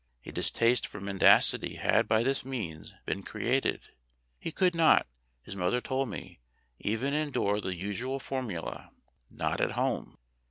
A distaste for mendacity had by this means been created. He could not, his mother told me, even endure the usual formula, "Not at home."